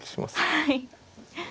はい。